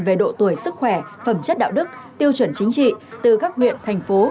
về độ tuổi sức khỏe phẩm chất đạo đức tiêu chuẩn chính trị từ các huyện thành phố